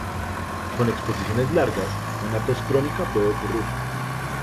Con exposiciones largas, una tos crónica puede ocurrir.